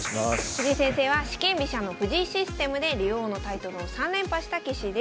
藤井先生は四間飛車の藤井システムで竜王のタイトルを３連覇した棋士です。